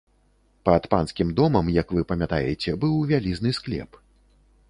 Пад панскім домам, як вы памятаеце, быў вялізны склеп.